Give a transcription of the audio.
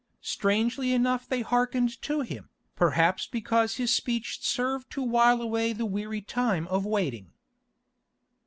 Strangely enough they hearkened to him, perhaps because his speech served to while away the weary time of waiting.